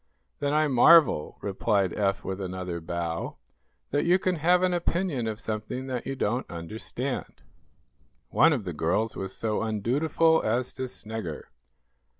"Then I marvel," replied Eph, with another bow, "that you can have an opinion of something that you don't understand." One of the girls was so undutiful as to snigger.